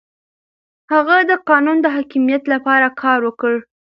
هغه د قانون د حاکميت لپاره کار وکړ.